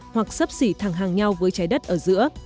hoặc sấp xỉ thẳng hàng nhau với trái đất ở giữa